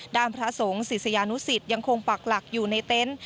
พระสงฆ์ศิษยานุสิตยังคงปักหลักอยู่ในเต็นต์